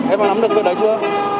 em đã nắm được việc đấy chưa